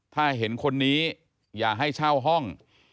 ถ้าเห็นคนนี้อย่าให้เช่าห้อง